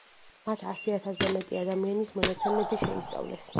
მათ ასი ათასზე მეტი ადამიანის მონაცემები შეისწავლეს.